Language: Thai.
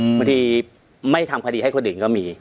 บางทีไม่ทำคดีให้คนอื่นก็มี